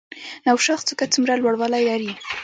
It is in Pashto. نوشاخ څوکه څومره لوړوالی لري؟